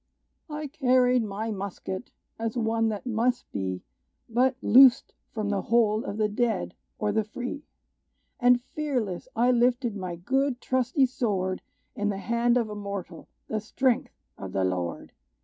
"I carried my musket, as one that must be But loosed from the hold of the dead, or the free! And fearless I lifted my good, trusty sword, In the hand of a mortal, the strength of the Lord!